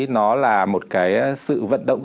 nó là một cái sự vận động